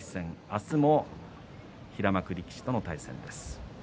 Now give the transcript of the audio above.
明日も平幕力士との対戦です。